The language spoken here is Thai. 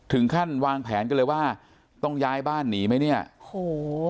ถึงขั้นวางแผนกันเลยว่าต้องย้ายบ้านหนีไหมเนี่ยโอ้โห